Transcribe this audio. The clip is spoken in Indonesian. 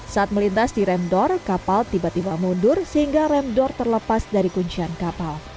saat melintas di remdor kapal tiba tiba mundur sehingga remdor terlepas dari kuncian kapal